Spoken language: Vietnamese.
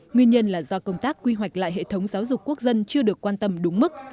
nguyên nhân là do công tác quy hoạch lại hệ thống giáo dục quốc dân chưa được quan tâm đúng mức